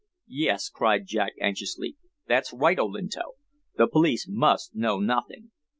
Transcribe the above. "Yes," cried Jack anxiously. "That's right, Olinto. The police must know nothing.